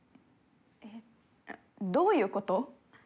えっどういう事？